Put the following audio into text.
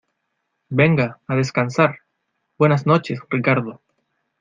venga, a descansar. buenas noches , Ricardo .